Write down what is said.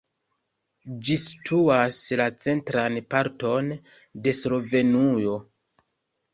Ĝi situas la centran parton de Slovenujo.